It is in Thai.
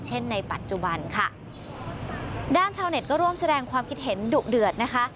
ในปัจจุบันค่ะด้านชาวเน็ตก็ร่วมแสดงความคิดเห็นดุเดือดนะคะ